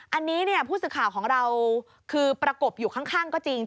อันนี้ผู้สื่อข่าวของเราคือประกบอยู่ข้างก็จริง